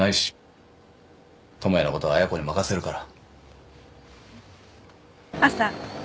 智也のことは亜矢子に任せるから。